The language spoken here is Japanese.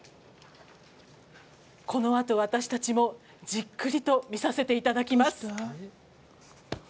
このあと、私たちもじっくりと見させていただきます。